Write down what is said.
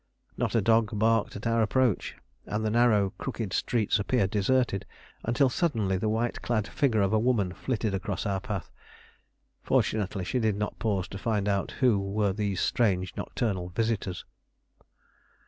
Not a dog barked at our approach, and the narrow crooked streets appeared deserted, until suddenly the white clad figure of a woman flitted across our path. Fortunately she did not pause to find out who were these strange nocturnal visitors.